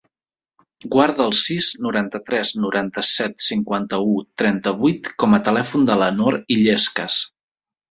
Guarda el sis, noranta-tres, noranta-set, cinquanta-u, trenta-vuit com a telèfon de la Nor Illescas.